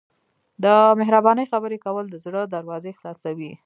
د مهربانۍ خبرې کول د زړه دروازې خلاصوي.